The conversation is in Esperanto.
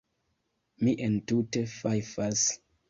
Mi entute fajfas.